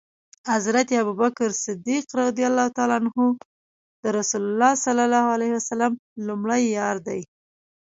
حضرت ابوبکر ص د رسول الله ص لمړی یار دی